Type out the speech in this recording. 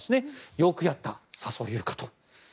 よくやった、笹生優花と。